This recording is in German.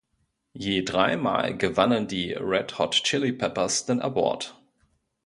Je drei Mal gewannen die Red Hot Chili Peppers den Award.